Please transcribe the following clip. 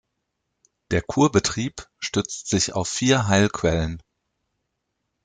Der Kurbetrieb stützt sich auf vier Heilquellen.